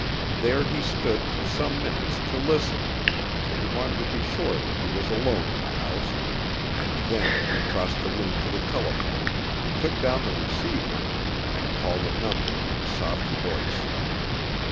There he stood for some minutes to listen, for he wanted to be sure that he was alone in the house, and then he crossed the room to the telephone, took down the receiver, and called a number in a soft voice.